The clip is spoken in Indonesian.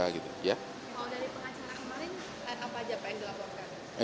kalau dari pengacara kemarin apa aja yang dilakukan